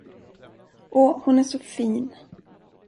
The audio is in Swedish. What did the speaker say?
Åh, hon är så fin.